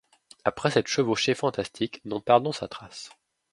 Après cette chevauchée fantastique, nous perdons sa trace.